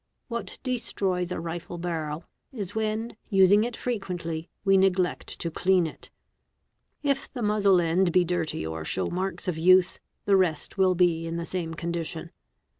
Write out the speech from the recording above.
What destroys a rifle barrel is when, using it frequently, we neglect to clean it ; if the muzzle end be © dirty or shows marks of use, the rest will be in the same condition.